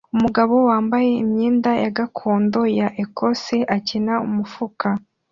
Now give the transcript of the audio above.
Umugabo wambaye imyenda gakondo ya Ecosse akina umufuka